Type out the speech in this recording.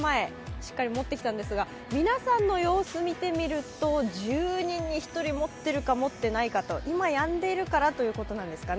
しっかり持ってきたんですが、皆さんの様子見てみると１０人に一人持ってるか持ってないか、今、やんでいるからということなんですかね。